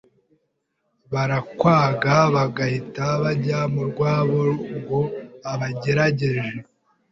barakwaga bagahita bajya mu rwabo, ngo abagerageje,